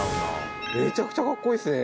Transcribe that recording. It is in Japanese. めちゃくちゃカッコいいっすね